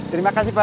terima kasih pak